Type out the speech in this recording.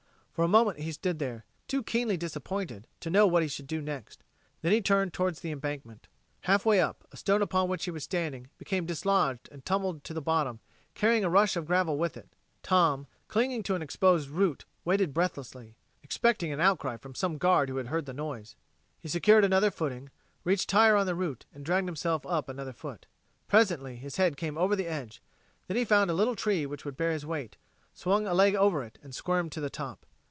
For a moment he stood there, too keenly disappointed to know what he should do next. Then he turned toward the embankment. Halfway up, a stone upon which he was standing became dislodged and tumbled to the bottom, carrying a rush of gravel with it. Tom, clinging to an exposed root, waited breathlessly, expecting an outcry from some guard who had heard the noise. He secured another footing, reached higher on the root, and dragged himself up another foot. Presently his head came over the edge; then he found a little tree which would bear his weight, swung a leg over and squirmed to the top.